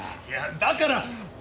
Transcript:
いやだから！